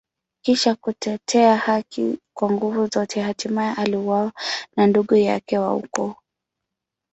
Kisha kutetea haki kwa nguvu zote, hatimaye aliuawa na ndugu yake wa ukoo.